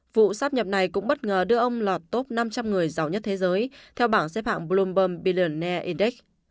vụ sát nhập này cũng bất ngờ đưa ông lọt top năm trăm linh người giàu nhất thế giới theo bảng xếp hạng bloombom pier index